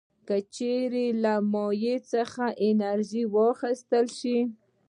که چیرې له مایع څخه انرژي واخیستل شي.